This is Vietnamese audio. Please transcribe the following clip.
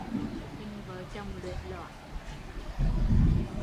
Tình vợ chồng luểnh loãng